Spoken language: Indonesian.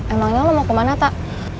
emangnya lo mau kemana tak